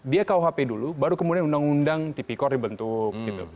dia kuhp dulu baru kemudian undang undang tipikor dibentuk